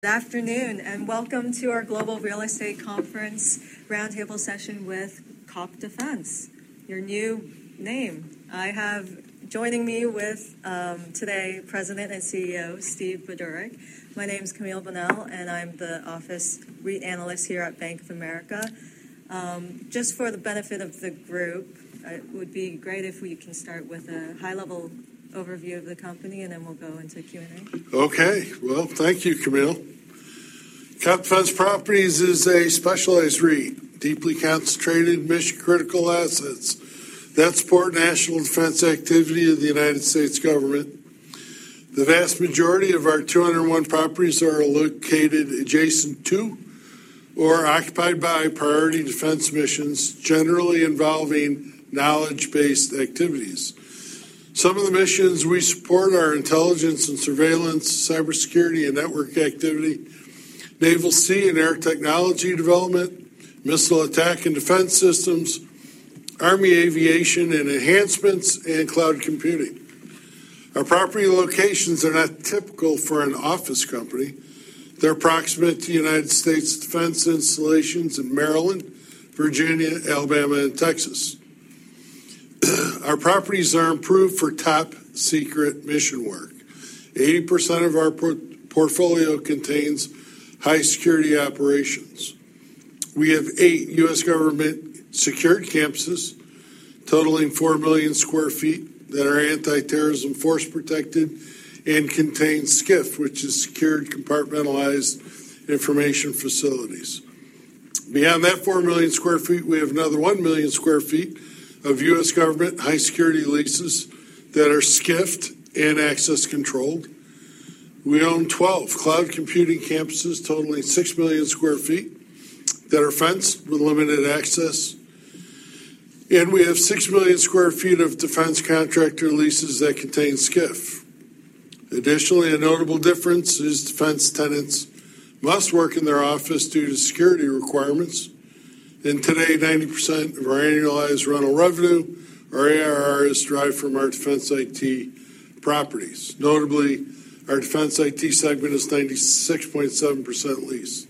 Good afternoon, and welcome to our Global Real Estate Conference roundtable session with COPT Defense, your new name. I have joining me with today, President and CEO, Steve Budorick. My name is Camille Bonnel, and I'm the Office REIT Analyst here at Bank of America. Just for the benefit of the group, it would be great if we can start with a high-level overview of the company, and then we'll go into Q&A. Okay. Well, thank you, Camille. COPT Defense Properties is a specialized REIT, deeply concentrated in mission-critical assets that support national defense activity of the United States government. The vast majority of our 201 properties are located adjacent to or occupied by priority defense missions, generally involving knowledge-based activities. Some of the missions we support are intelligence and surveillance, cybersecurity and network activity, naval sea and air technology development, missile attack and defense systems, army aviation and enhancements, and cloud computing. Our property locations are not typical for an office company. They're proximate to United States defense installations in Maryland, Virginia, Alabama, and Texas. Our properties are approved for top-secret mission work. 80% of our portfolio contains high-security operations. We have eight U.S. government-secured campuses totaling 4 million sq ft that are anti-terrorism force protected and contain SCIF, which is Sensitive Compartmented Information Facilities. Beyond that 4 million sq ft, we have another 1 million sq ft of US government high-security leases that are SCIFed and access-controlled. We own 12 cloud computing campuses, totaling six million sq ft, that are fenced with limited access, and we have 6 million sq ft of defense contractor leases that contain SCIF. Additionally, a notable difference is defense tenants must work in their office due to security requirements, and today, 90% of our annualized rental revenue, or ARR, is derived from our defense IT properties. Notably, our defense IT segment is 96.7% leased.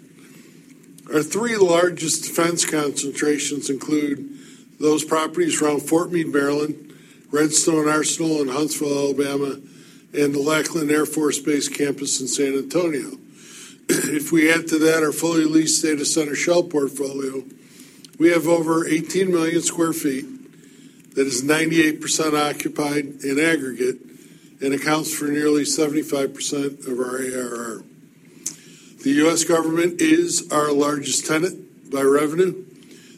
Our three largest defense concentrations include those properties around Fort Meade, Maryland, Redstone Arsenal in Huntsville, Alabama, and the Lackland Air Force Base campus in San Antonio. If we add to that our fully leased data center shell portfolio, we have over 18 million sq ft that is 98% occupied in aggregate and accounts for nearly 75% of our ARR. The U.S. government is our largest tenant by revenue.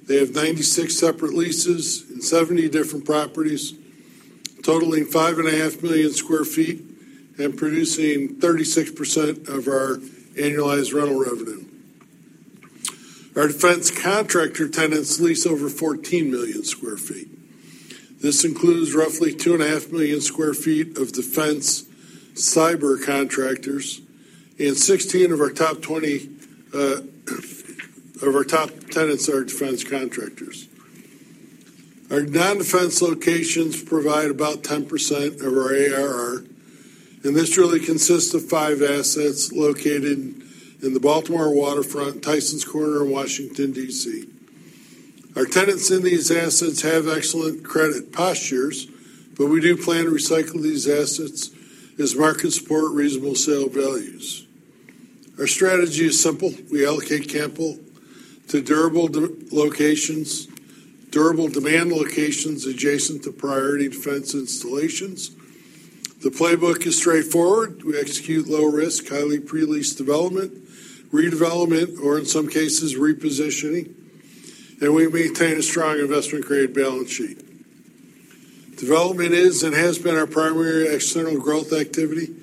They have 96 separate leases in 70 different properties, totaling 5.5 million sq ft and producing 36% of our annualized rental revenue. Our defense contractor tenants lease over 14 million sq ft. This includes roughly 2.5 million sq ft of defense cyber contractors, and 16 of our top 20 of our top tenants are defense contractors. Our non-defense locations provide about 10% of our ARR, and this really consists of 5 assets located in the Baltimore waterfront, Tysons Corner, and Washington, D.C. Our tenants in these assets have excellent credit postures, but we do plan to recycle these assets as markets support reasonable sale values. Our strategy is simple: We allocate capital to durable demand locations adjacent to priority defense installations. The playbook is straightforward. We execute low risk, highly pre-leased development, redevelopment, or in some cases, repositioning, and we maintain a strong investment-grade balance sheet. Development is and has been our primary external growth activity.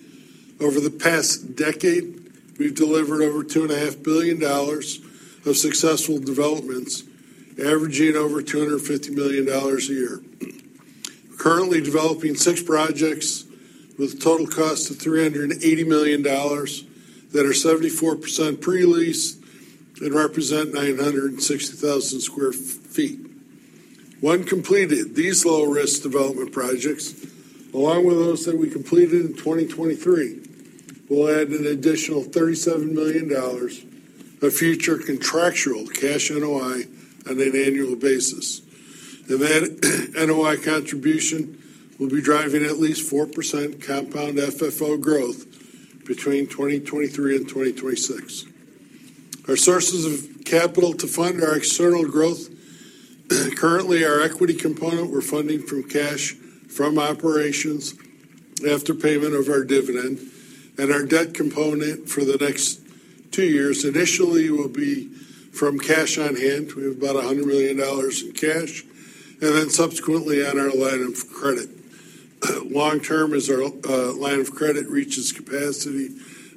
Over the past decade, we've delivered over $2.5 billion of successful developments, averaging over $250 million a year. Currently developing six projects with a total cost of $380 million, that are 74% pre-lease and represent 960,000 sq ft. When completed, these low-risk development projects, along with those that we completed in 2023, will add an additional $37 million of future contractual cash NOI on an annual basis. And then, NOI contribution will be driving at least 4% compound FFO growth between 2023 and 2026. Our sources of capital to fund our external growth, currently, our equity component, we're funding through cash from operations after payment of our dividend, and our debt component for the next two years, initially, will be from cash on hand. We have about $100 million in cash, and then subsequently on our line of credit. Long-term, as our line of credit reaches capacity,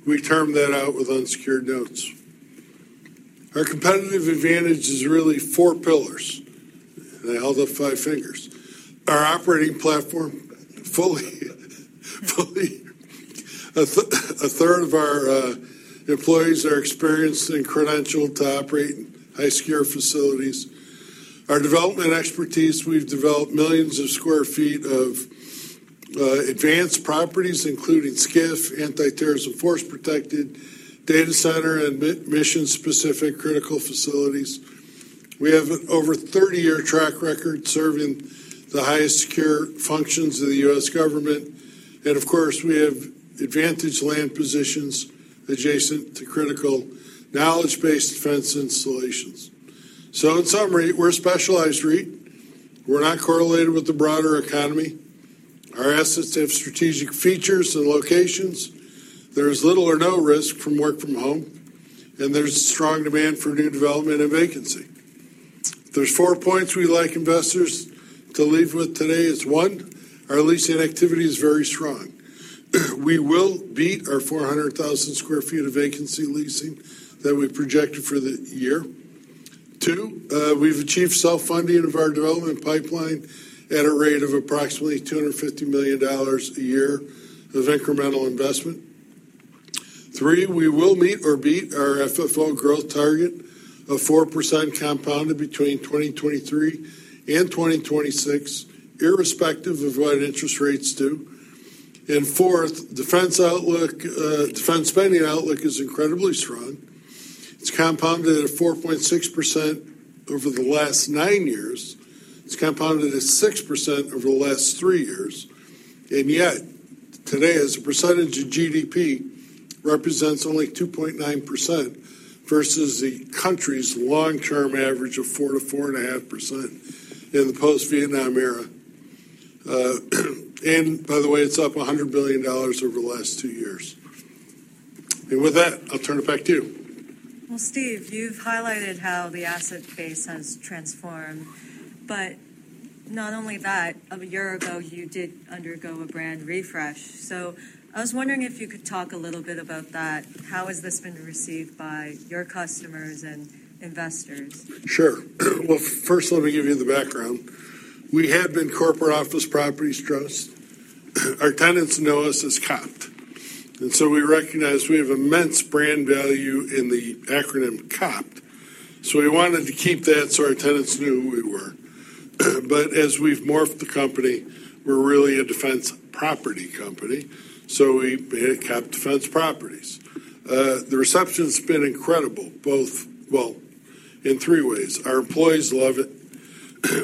we term that out with unsecured notes. Our competitive advantage is really four pillars. And I held up five fingers. Our operating platform fully. A third of our employees are experienced and credentialed to operate in high-secure facilities. Our development expertise, we've developed millions of square feet of advanced properties, including SCIF, anti-terrorism force protected data center, and mission-specific critical facilities. We have over 30-year track record serving the highest secure functions of the US government, and of course, we have advantage land positions adjacent to critical knowledge-based defense installations. So in summary, we're a specialized REIT. We're not correlated with the broader economy. Our assets have strategic features and locations. There is little or no risk from work-from-home, and there's strong demand for new development and vacancy. There's four points we'd like investors to leave with today is, one, our leasing activity is very strong. We will beat our 400,000 sq ft of vacancy leasing that we projected for the year. Two, we've achieved self-funding of our development pipeline at a rate of approximately $250 million a year of incremental investment. Three, we will meet or beat our FFO growth target of 4% compounded between 2023 and 2026, irrespective of what interest rates do. And fourth, defense outlook, defense spending outlook is incredibly strong. It's compounded at 4.6% over the last nine years. It's compounded at 6% over the last three years, and yet today, as a percentage of GDP, represents only 2.9% versus the country's long-term average of 4%-4.5% in the post-Vietnam era. And by the way, it's up $100 billion over the last two years. With that, I'll turn it back to you. Steve, you've highlighted how the asset base has transformed, but not only that, a year ago, you did undergo a brand refresh. I was wondering if you could talk a little bit about that. How has this been received by your customers and investors? Sure. Well, first, let me give you the background. We have been Corporate Office Properties Trust. Our tenants know us as COPT, and so we recognize we have immense brand value in the acronym COPT, so we wanted to keep that, so our tenants knew who we were. But as we've morphed the company, we're really a defense property company, so we became COPT Defense Properties. The reception's been incredible, both... Well, in three ways. Our employees love it,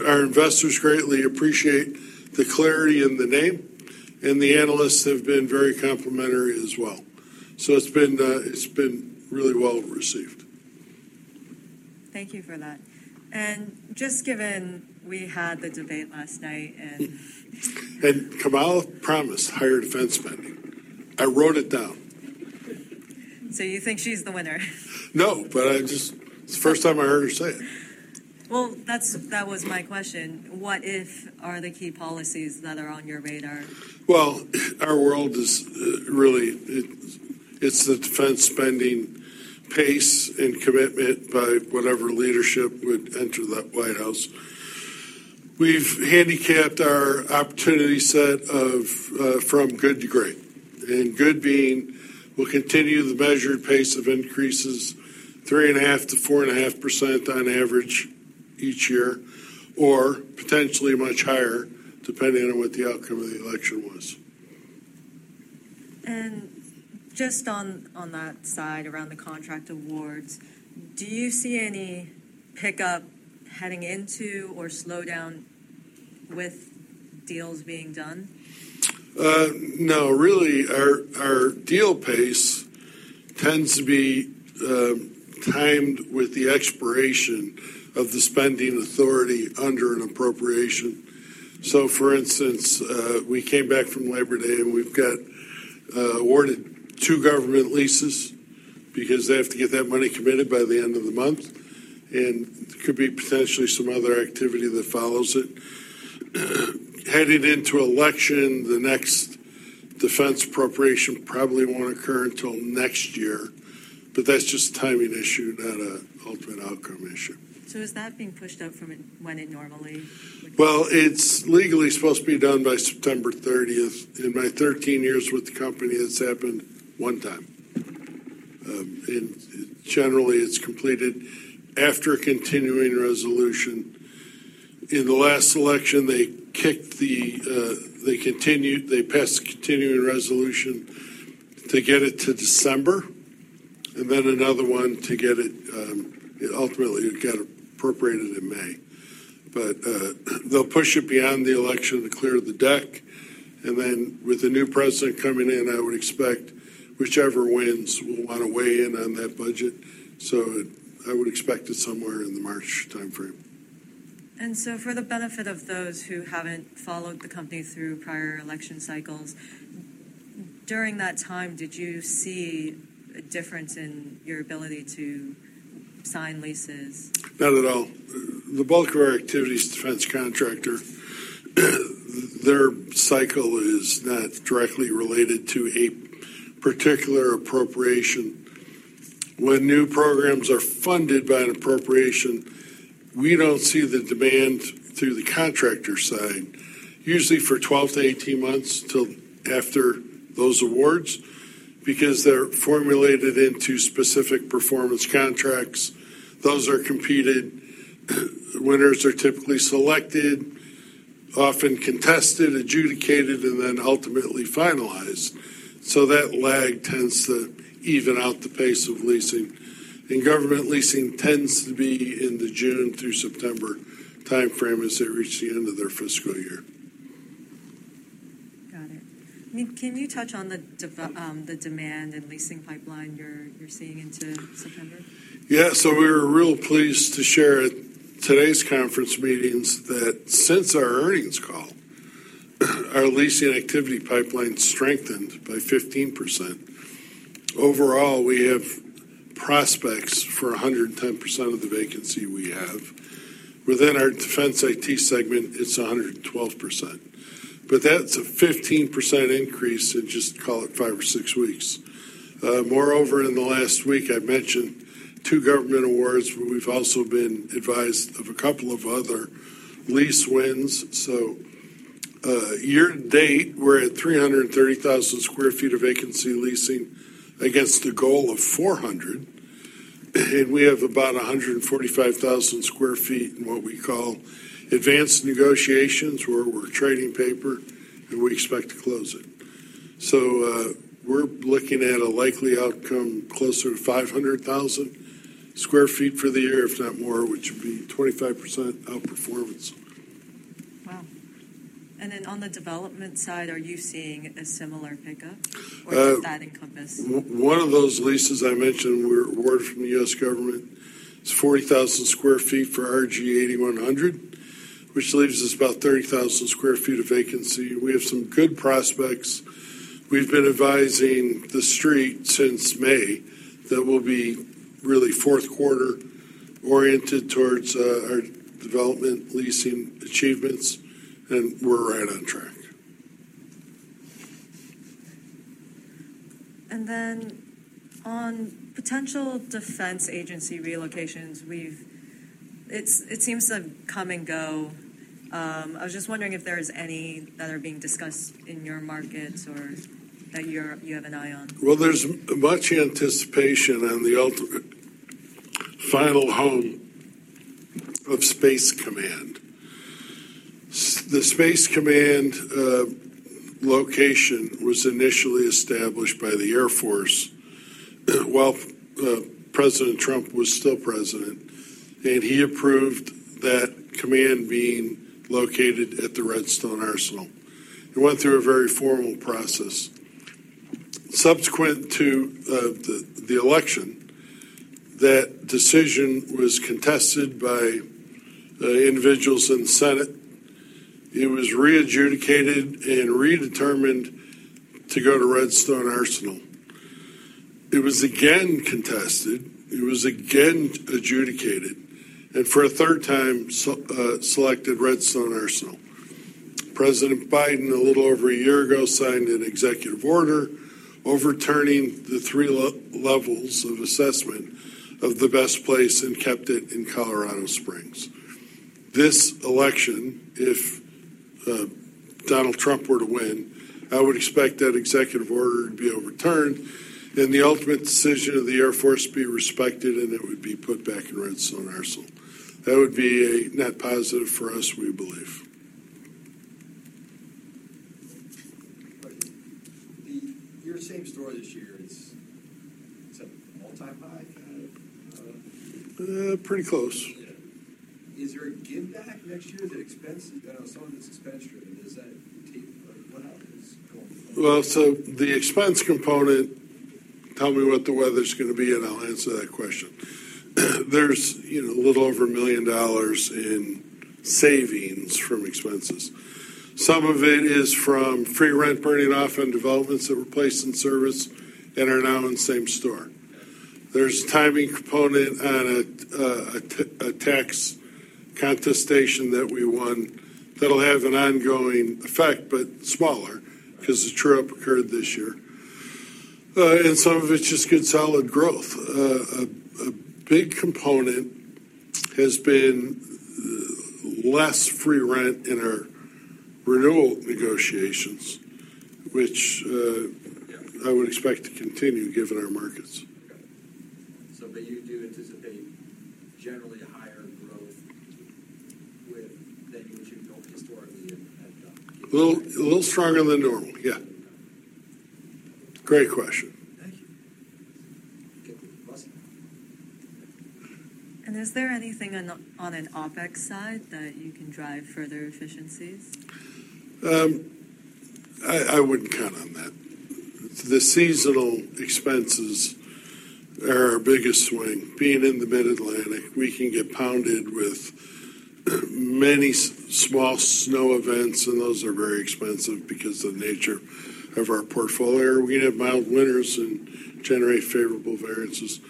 our investors greatly appreciate the clarity in the name, and the analysts have been very complimentary as well. So it's been, it's been really well received. Thank you for that, and just given we had the debate last night and- Kamala promised higher defense spending. I wrote it down. So you think she's the winner? No, but I just... It's the first time I heard her say it. That was my question. What are the key policies that are on your radar? Our world is really it's the defense spending pace and commitment by whatever leadership would enter that White House. We've handicapped our opportunity set of from good to great, and good being we'll continue the measured pace of increases, 3.5%-4.5% on average each year, or potentially much higher, depending on what the outcome of the election was. Just on that side, around the contract awards, do you see any pickup heading into or slowdown with deals being done? No, really, our deal pace tends to be timed with the expiration of the spending authority under an appropriation. So for instance, we came back from Labor Day, and we've got awarded two government leases because they have to get that money committed by the end of the month, and there could be potentially some other activity that follows it. Heading into election, the next defense appropriation probably won't occur until next year, but that's just a timing issue, not an ultimate outcome issue. So is that being pushed out from when it normally would? It's legally supposed to be done by September 30th. In my thirteen years with the company, it's happened one time. And generally, it's completed after a continuing resolution. In the last election, they continued. They passed a continuing resolution to get it to December, and then another one to get it. Ultimately, it got appropriated in May. But, they'll push it beyond the election to clear the deck, and then with the new president coming in, I would expect whichever wins will want to weigh in on that budget. So I would expect it somewhere in the March timeframe. And so for the benefit of those who haven't followed the company through prior election cycles, during that time, did you see a difference in your ability to sign leases? Not at all. The bulk of our activity is defense contractor. Their cycle is not directly related to a particular appropriation. When new programs are funded by an appropriation, we don't see the demand through the contractor side, usually for 12-18 months till after those awards, because they're formulated into specific performance contracts. Those are competed,... winners are typically selected, often contested, adjudicated, and then ultimately finalized. So that lag tends to even out the pace of leasing, and government leasing tends to be in the June through September timeframe as they reach the end of their fiscal year. Got it. Can you touch on the demand and leasing pipeline you're seeing into September? Yeah. So we were real pleased to share at today's conference meetings that since our earnings call, our leasing activity pipeline strengthened by 15%. Overall, we have prospects for 110% of the vacancy we have. Within our Defense IT segment, it's 112%, but that's a 15% increase in just call it five or six weeks. Moreover, in the last week, I've mentioned two government awards, where we've also been advised of a couple of other lease wins. So year-to-date, we're at 330,000 sq ft of vacancy leasing against a goal of 400, and we have about 145,000 sq ft in what we call advanced negotiations, where we're trading paper, and we expect to close it. We're looking at a likely outcome, closer to 500,000 sq ft for the year, if not more, which would be 25% outperformance. Wow! And then, on the development side, are you seeing a similar pickup? Uh- What does that encompass? One of those leases I mentioned, award from the U.S. government, is 40,000 sq ft for our RG 8100, which leaves us about 30,000 sq ft of vacancy. We have some good prospects. We've been advising the street since May, that we'll be really fourth quarter-oriented towards our development leasing achievements, and we're right on track. And then, on potential defense agency relocations, it's, it seems to come and go. I was just wondering if there's any that are being discussed in your markets or that you're, you have an eye on? There's much anticipation on the ultimate final home of Space Command. The Space Command location was initially established by the Air Force, while President Trump was still president, and he approved that command being located at the Redstone Arsenal. It went through a very formal process. Subsequent to the election, that decision was contested by individuals in the Senate. It was re-adjudicated and redetermined to go to Redstone Arsenal. It was again contested, it was again adjudicated, and for a third time, selected Redstone Arsenal. President Biden, a little over a year ago, signed an executive order, overturning the three levels of assessment of the best place and kept it in Colorado Springs. This election, if Donald Trump were to win, I would expect that executive order to be overturned, and the ultimate decision of the Air Force be respected, and it would be put back in Redstone Arsenal. That would be a net positive for us, we believe. But your same store this year is, it's a multi-high kind of, Pretty close. Yeah. Is there a giveback next year? The expense, some of this expense rate, does that take, what else is going on? Well, so the expense component, tell me what the weather's gonna be, and I'll answer that question. There's, you know, a little over $1 million in savings from expenses. Some of it is from free rent burning off and developments that were placed in service and are now in the same store. Yeah. There's a timing component on a tax contestation that we won that'll have an ongoing effect, but smaller- Right... 'cause the trip occurred this year, and some of it's just good, solid growth. A big component has been less free rent in our renewal negotiations, which Yeah... I would expect to continue, given our markets. Okay. So but you do anticipate generally higher growth with than you achieved historically and, A little, a little stronger than normal. Yeah. Great question. Thank you. Is there anything on an OpEx side that you can drive further efficiencies? I wouldn't count on that. The seasonal expenses are our biggest swing. Being in the Mid-Atlantic, we can get pounded with many small snow events, and those are very expensive because of the nature of our portfolio. We can have mild winters and generate favorable variances.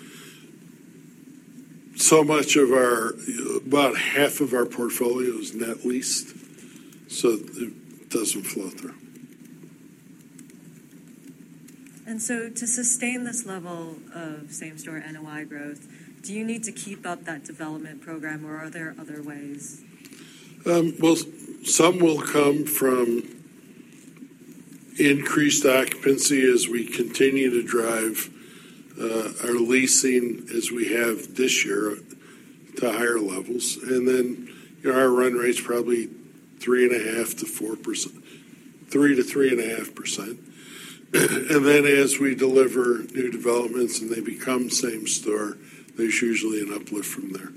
So much of our... About half of our portfolio is net leased, so it doesn't flow through. To sustain this level of same-store NOI growth, do you need to keep up that development program, or are there other ways? Well, some will come from increased occupancy as we continue to drive our leasing as we have this year, to higher levels. And then, our run rate's probably 3.5%-4% to 3%-3.5%. And then, as we deliver new developments, and they become same store, there's usually an uplift from there.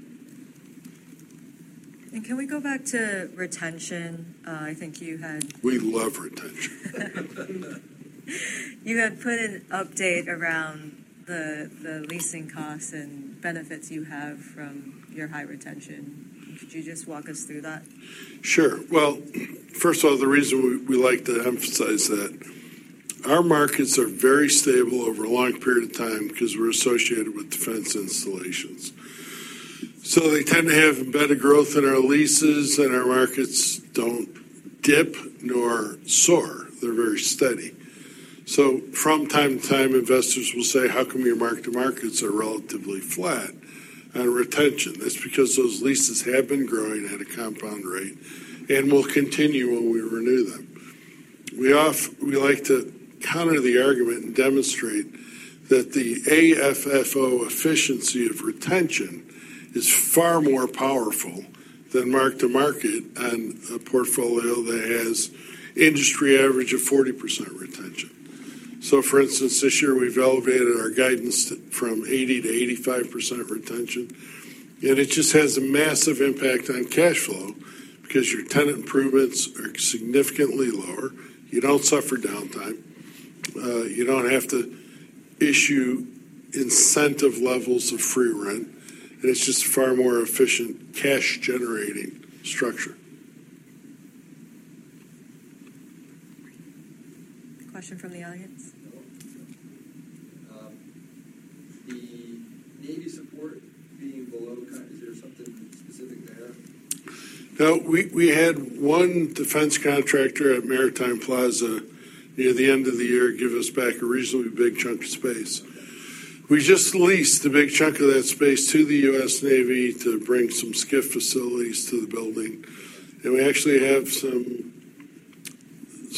Can we go back to retention? I think you had- We love retention. You had put an update around the leasing costs and benefits you have from your high retention. Could you just walk us through that? Sure. Well, first of all, the reason we, we like to emphasize that, our markets are very stable over a long period of time because we're associated with defense installations. So they tend to have better growth in our leases, and our markets don't dip nor soar. They're very steady. So from time to time, investors will say: "How come your mark-to-markets are relatively flat on retention?" That's because those leases have been growing at a compound rate and will continue when we renew them. We like to counter the argument and demonstrate that the AFFO efficiency of retention is far more powerful than mark to market on a portfolio that has industry average of 40% retention. For instance, this year, we've elevated our guidance to from 80%-85% of retention, and it just has a massive impact on cash flow because your tenant improvements are significantly lower. You don't suffer downtime. You don't have to issue incentive levels of free rent, and it's just a far more efficient cash-generating structure. Question from the audience? The Navy support being below kind, is there something specific there? No, we had one defense contractor at Maritime Plaza, near the end of the year, give us back a reasonably big chunk of space. We just leased a big chunk of that space to the U.S. Navy to bring some SCIF facilities to the building, and we actually have some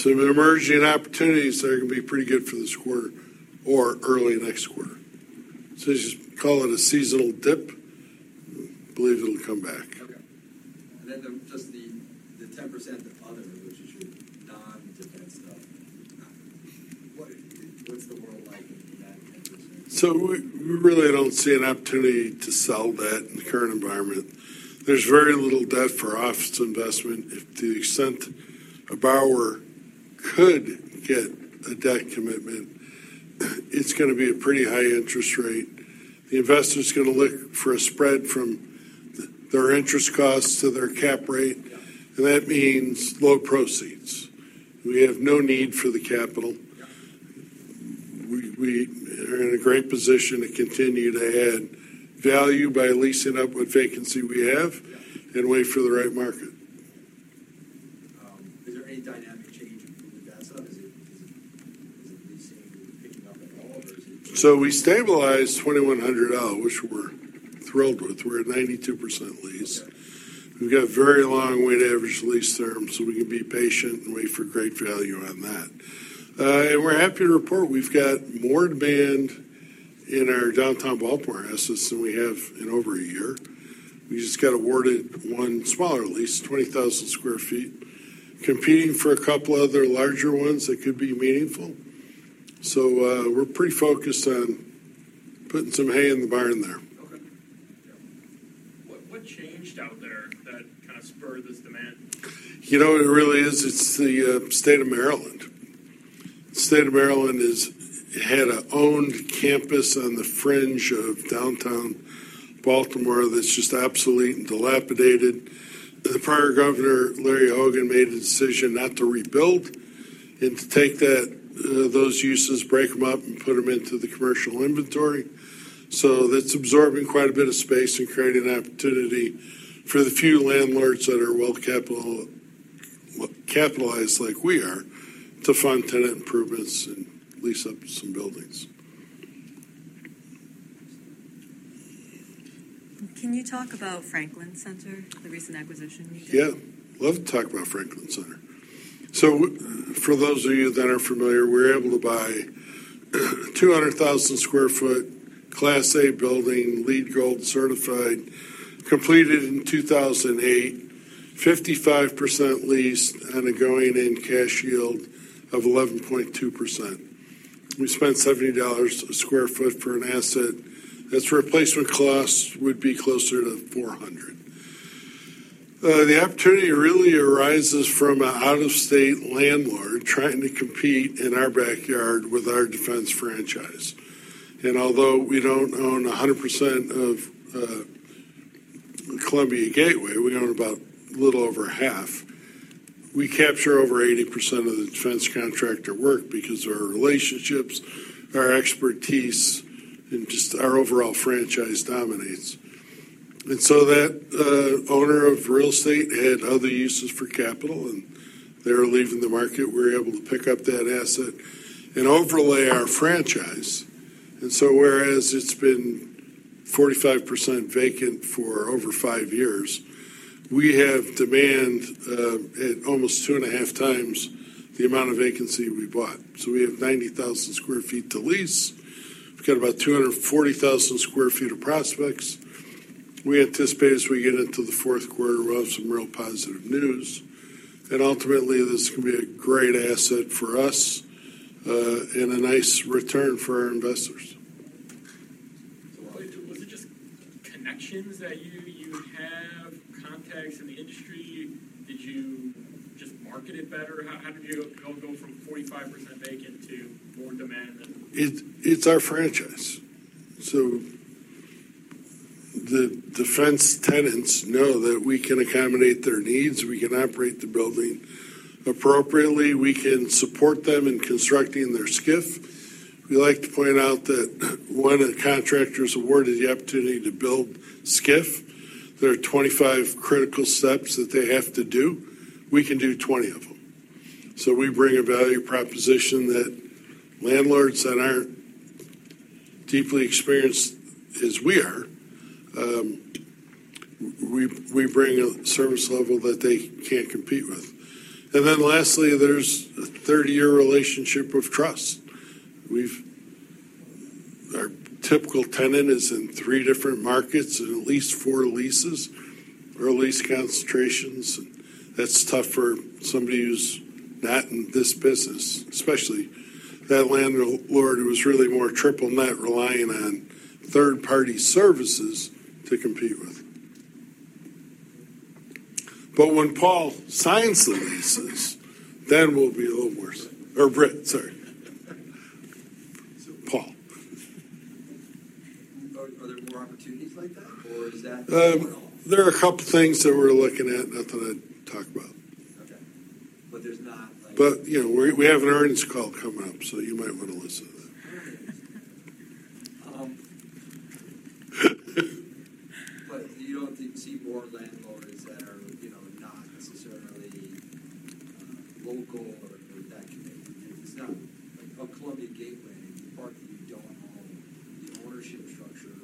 emerging opportunities that are going to be pretty good for this quarter or early next quarter. So just call it a seasonal dip. Believe it'll come back. Okay. And then, just the, the 10% other, which is your non-defense stuff. What, what's the world like in that 10%? So we really don't see an opportunity to sell debt in the current environment. There's very little debt for office investment. If to the extent a borrower could get a debt commitment, it's going to be a pretty high interest rate. The investor's going to look for a spread from their interest costs to their cap rate- Yeah. and that means low proceeds. We have no need for the capital. Yeah. We are in a great position to continue to add value by leasing up what vacancy we have. Yeah. - and wait for the right market. Is there any dynamic change from the debt side? Is it leasing picking up at all or is it- We stabilized 2100 L, which we're thrilled with. We're at 92% lease. Okay. We've got a very long weighted average lease term, so we can be patient and wait for great value on that. And we're happy to report we've got more demand in our downtown Baltimore assets than we have in over a year. We just got awarded one smaller lease, 20,000 sq ft. Competing for a couple other larger ones that could be meaningful. So, we're pretty focused on putting some hay in the barn there. Okay. Yeah. What changed out there that kind of spurred this demand? You know, it really is, it's the state of Maryland. State of Maryland is it had an owned campus on the fringe of downtown Baltimore that's just obsolete and dilapidated. The prior governor, Larry Hogan, made a decision not to rebuild and to take that those uses, break them up, and put them into the commercial inventory. So that's absorbing quite a bit of space and creating an opportunity for the few landlords that are well capitalized, like we are, to fund tenant improvements and lease up some buildings. Can you talk about Franklin Center, the recent acquisition you did? Yeah. Love to talk about Franklin Center. So for those of you that aren't familiar, we were able to buy 200,000 sq ft, Class A building, LEED Gold certified, completed in 2008, 55% leased on a going-in cash yield of 11.2%. We spent $70 a square feet for an asset. Its replacement cost would be closer to $400. The opportunity really arises from an out-of-state landlord trying to compete in our backyard with our defense franchise. And although we don't own 100% of Columbia Gateway, we own about a little over half. We capture over 80% of the defense contractor work because our relationships, our expertise, and just our overall franchise dominates. And so that owner of real estate had other uses for capital, and they were leaving the market. We were able to pick up that asset and overlay our franchise, and so whereas it's been 45% vacant for over five years. We have demand at almost 2.5x the amount of vacancy we bought, so we have 90,000 sq ft to lease. We've got about 240,000 sq ft of prospects. We anticipate as we get into the fourth quarter, we'll have some real positive news, and ultimately, this can be a great asset for us and a nice return for our investors. Was it just connections that you have, contacts in the industry? Did you just market it better? How did you go from 45% vacant to more demand than- It's our franchise. So the defense tenants know that we can accommodate their needs, we can operate the building appropriately, we can support them in constructing their SCIF. We like to point out that when a contractor is awarded the opportunity to build SCIF, there are twenty-five critical steps that they have to do. We can do 20 of them. So we bring a value proposition that landlords that aren't deeply experienced as we are. We bring a service level that they can't compete with. And then lastly, there's a thirty-year relationship of trust. We've. Our typical tenant is in three different markets and at least four leases or lease concentrations. That's tough for somebody who's not in this business, especially that landlord who is really more triple net, relying on third-party services to compete with. But when Paul signs the leases, then we'll be a little worse, or Britt, sorry. Paul. Are there more opportunities like that, or is that a one-off? There are a couple of things that we're looking at, nothing I'd talk about. Okay. But there's not like- But, you know, we have an earnings call coming up, so you might want to listen to that. But you don't see more landlords that are, you know, not necessarily, local or, or that connected? Like Columbia Gateway, the part that you don't own, the ownership structure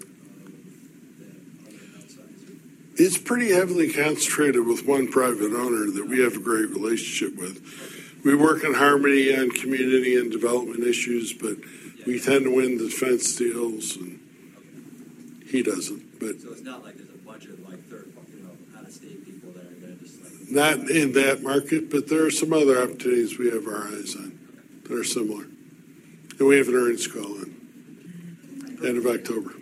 of that other than outsiders? It's pretty heavily concentrated with one private owner that we have a great relationship with. Okay. We work in harmony on community and development issues, but. Yeah... we tend to win the defense deals, and- Okay... he doesn't, but- So it's not like there's a bunch of, like, third party, you know, out-of-state people that are gonna just like- Not in that market, but there are some other opportunities we have our eyes on- Okay... that are similar. We have an earnings call at the end of October.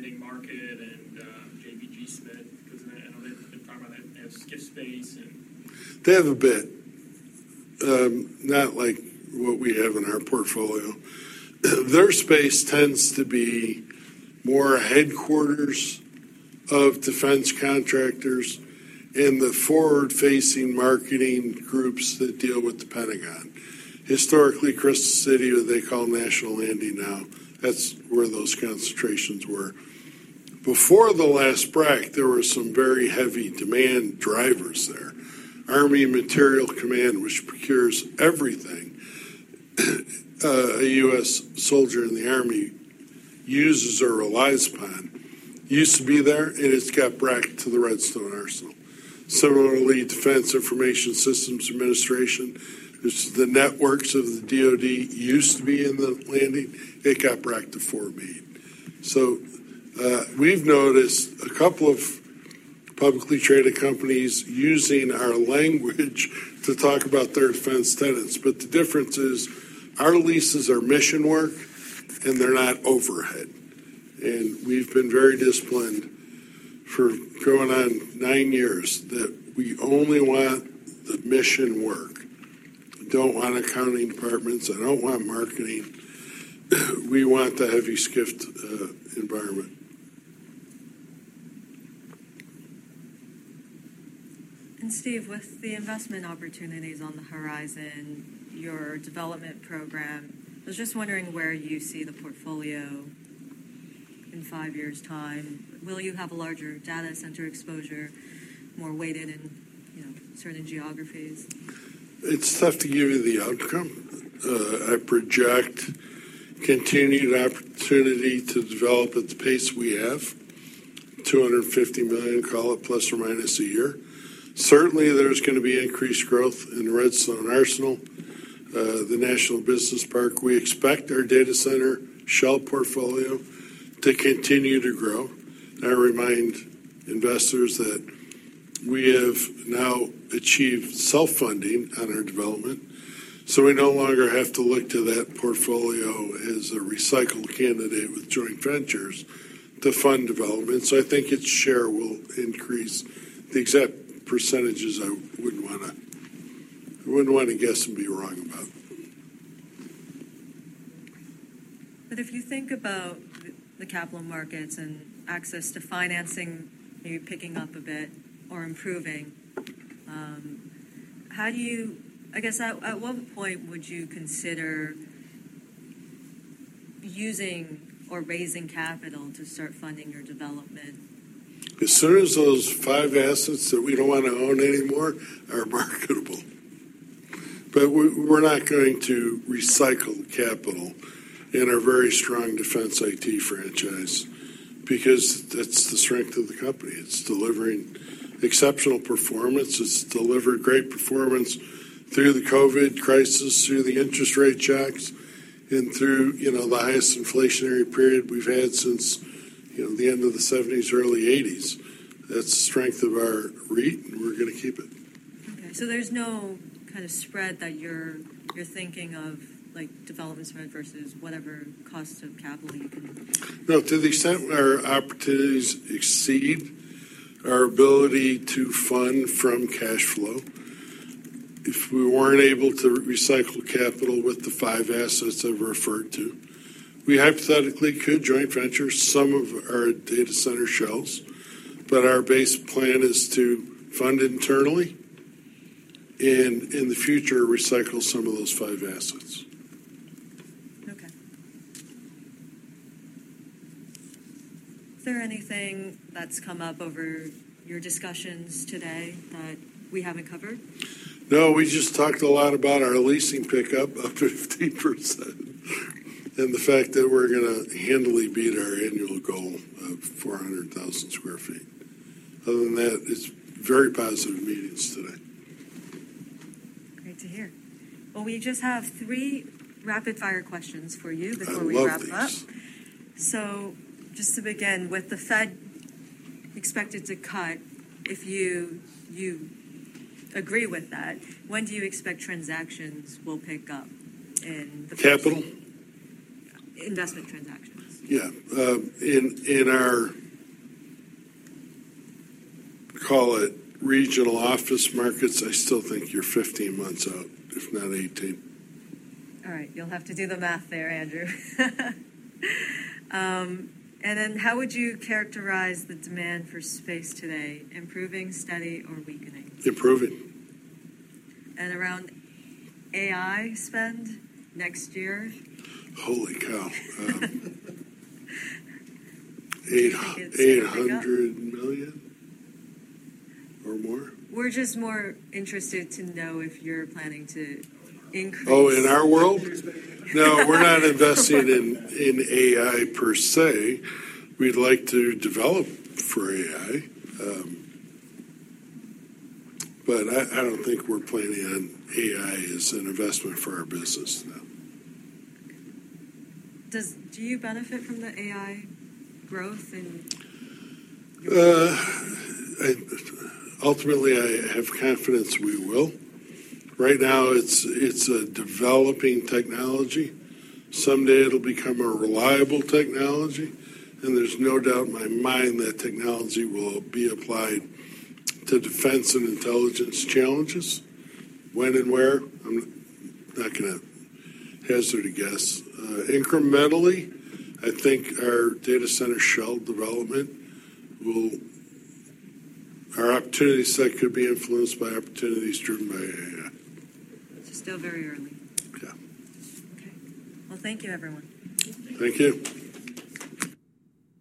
Do you guys compete with, I guess, the National Landing market and JBG Smith? Because I know they've been talking about that as SCIF space, and- They have a bit, not like what we have in our portfolio. Their space tends to be more headquarters of defense contractors and the forward-facing marketing groups that deal with the Pentagon. Historically, Crystal City, what they call National Landing now, that's where those concentrations were. Before the last BRAC, there were some very heavy demand drivers there. Army Materiel Command, which procures everything, a U.S. soldier in the army uses or relies upon, used to be there, and it's got BRAC'ed to the Redstone Arsenal. Similarly, Defense Information Systems Administration, which is the networks of the DoD, used to be in the landing. It got BRAC'ed to Fort Meade. So, we've noticed a couple of publicly traded companies using our language to talk about their defense tenants, but the difference is, our leases are mission work, and they're not overhead. We've been very disciplined for going on nine years that we only want the mission work. We don't want accounting departments. I don't want marketing. We want the heavy SCIF environment. Steve, with the investment opportunities on the horizon, your development program, I was just wondering where you see the portfolio in five years' time. Will you have a larger data center exposure, more weighted in, you know, certain geographies? It's tough to give you the outcome. I project continued opportunity to develop at the pace we have, $250 million call it, plus or minus a year. Certainly, there's gonna be increased growth in Redstone Arsenal, the National Business Park. We expect our data center shell portfolio to continue to grow. I remind investors that we have now achieved self-funding on our development, so we no longer have to look to that portfolio as a recycle candidate with joint ventures to fund development. So I think its share will increase. The exact percentages, I wouldn't wanna, I wouldn't want to guess and be wrong about. But if you think about the capital markets and access to financing, maybe picking up a bit or improving, I guess at what point would you consider using or raising capital to start funding your development? As soon as those five assets that we don't want to own anymore are marketable. But we're not going to recycle capital in our very strong defense IT franchise, because that's the strength of the company. It's delivering exceptional performance. It's delivered great performance through the COVID crisis, through the interest rate checks, and through, you know, the highest inflationary period we've had since, you know, the end of the '70s, early '80s. That's the strength of our REIT, and we're going to keep it. Okay. So there's no kind of spread that you're, you're thinking of, like, development spread versus whatever cost of capital you can- No, to the extent our opportunities exceed our ability to fund from cash flow, if we weren't able to recycle capital with the five assets I've referred to, we hypothetically could joint venture some of our data center shells, but our base plan is to fund internally, and in the future, recycle some of those five assets. Okay. Is there anything that's come up over your discussions today that we haven't covered? No, we just talked a lot about our leasing pickup, up 15%, and the fact that we're going to handily beat our annual goal of 400,000 sq ft. Other than that, it's very positive meetings today. Great to hear. Well, we just have three rapid-fire questions for you- I love these. Before we wrap up, so just to begin, with the Fed expected to cut, if you, you agree with that, when do you expect transactions will pick up in the? Capital? Investment transactions. Yeah. In our call it regional office markets, I still think you're 15 months out, if not 18. All right, you'll have to do the math there, Andrew. And then how would you characterize the demand for space today? Improving, steady, or weakening? Improving. Around AI spend next year? Holy cow! Do you think it's- $800 million or more? We're just more interested to know if you're planning to increase- Oh, in our world? Yes. No, we're not investing in AI per se. We'd like to develop for AI. But I don't think we're planning on AI as an investment for our business now. Do you benefit from the AI growth in- Ultimately, I have confidence we will. Right now, it's a developing technology. Someday it'll become a reliable technology, and there's no doubt in my mind that technology will be applied to defense and intelligence challenges. When and where, I'm not gonna hazard a guess. Incrementally, I think our data center shell development will... Our opportunity set could be influenced by opportunities driven by AI. It's still very early. Yeah. Okay. Well, thank you, everyone. Thank you.